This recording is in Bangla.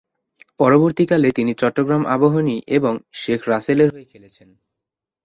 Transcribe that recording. পরবর্তীকালে, তিনি চট্টগ্রাম আবাহনী এবং শেখ রাসেলের হয়ে খেলেছেন।